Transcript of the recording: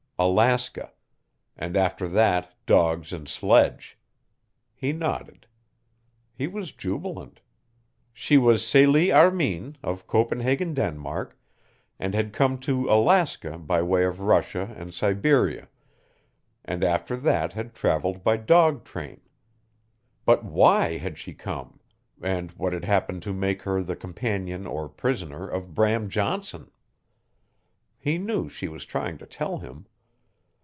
Alaska and after that dogs and sledge. He nodded. He was jubilant. She was Celie Armin, of Copenhagen, Denmark, and had come to Alaska by way of Russia and Siberia and after that had traveled by dog train. But WHY had she come, and what had happened to make her the companion or prisoner of Bram Johnson? He knew she was trying to tell him.